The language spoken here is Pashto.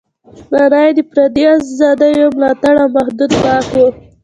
معنا یې د فردي ازادیو ملاتړ او محدود واک و.